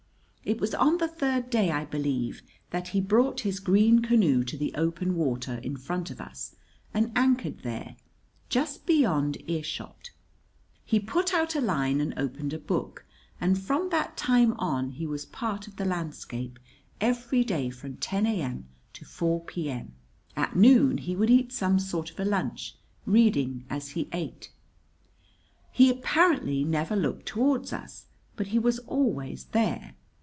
It was on the third day, I believe, that he brought his green canoe to the open water in front of us and anchored there, just beyond earshot. He put out a line and opened a book; and from that time on he was a part of the landscape every day from 10 A.M. to 4 P.M. At noon he would eat some sort of a lunch, reading as he ate. He apparently never looked toward us, but he was always there.